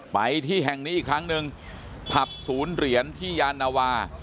ไปที่แห่งนี้อีกครั้งหนึ่งผับศูนย์เหรียญที่ยานวา